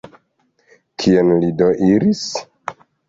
Kien li do iris?